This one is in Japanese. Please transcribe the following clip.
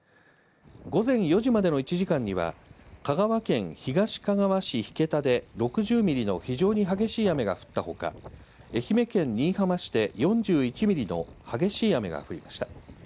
午前４時までの１時間では、香川県東かがわ市引田で６０ミリの非常に激しい雨が降ったほか、愛媛県新居浜市で４１ミリの激しい雨が降りました。